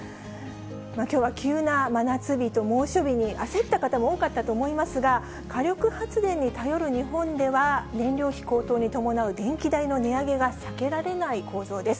きょうは急な真夏日、猛暑日に焦った方も多かったと思いますが、火力発電に頼る日本では、燃料費高騰に伴う電気代の値上げが避けられない構造です。